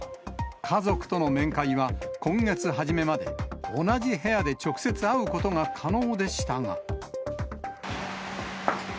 家族との面会は今月初めまで、同じ部屋で直接会うことが可能でしたが。